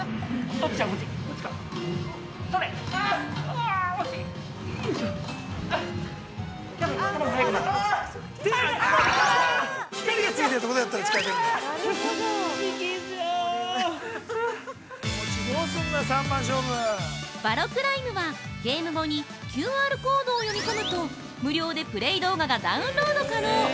◆ヴァロクライムは、ゲーム後にＱＲコードを読み込むと無料でプレイ動画がダウンロード可能。